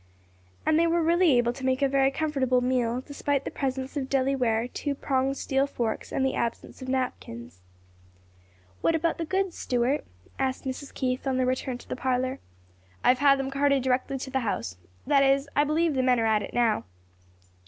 And they were really able to make a very comfortable meal, despite the presence of deli ware, two pronged steel forks, and the absence of napkins. "What about the goods, Stuart?" asked Mrs. Keith on their return to the parlor. "I have had them carted directly to the house; that is, I believe the men are at it now."